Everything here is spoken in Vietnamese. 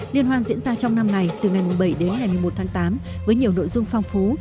liên hoan diễn ra trong năm ngày từ ngày bảy đến ngày một mươi một tháng tám với nhiều nội dung phong phú